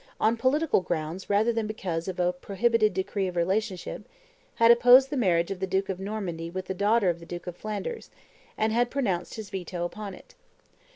on political grounds rather than because of a prohibited degree of relationship, had opposed the marriage of the duke of Normandy with the daughter of the duke of Flanders, and had pronounced his veto upon it.